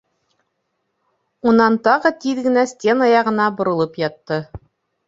Унан тағы тиҙ генә стена яғына боролоп ятты.